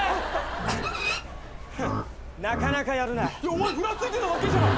お前ふらついてただけじゃん！